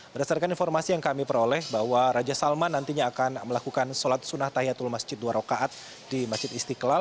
berdasarkan informasi yang kami peroleh bahwa raja salman nantinya akan melakukan solat sunah tayatul masjid dwarokaat di masjid istiqlal